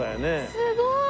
すごーい！